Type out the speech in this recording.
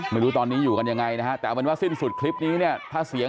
ไม่รู้ตอนนี้อยู่กันยังไงนะฮะแต่ว่าสิ้นสุดคลิปนี้เนี่ย